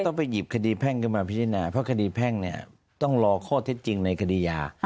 ต้องไปหยิบคดีแพ่งขึ้นมาพิจารณาเพราะคดีแพ่งเนี่ยต้องรอข้อเท็จจริงในคดียา